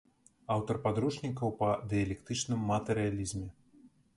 Аўтар падручнікаў па дыялектычным матэрыялізме.